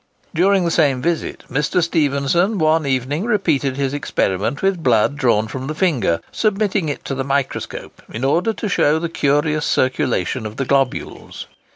During the same visit, Mr. Stephenson, one evening repeated his experiment with blood drawn from the finger, submitting it to the microscope in order to show the curious circulation of the globules.